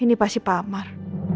ini pasti pak amar